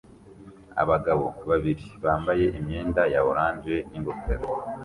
Abagabo babiri bambaye imyenda ya orange n'ingofero